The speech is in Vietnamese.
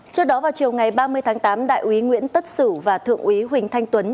trước đó vào chiều ngày ba mươi tháng tám đại úy nguyễn tất sử và thượng úy huỳnh thanh tuấn